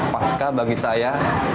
pascah bagi saya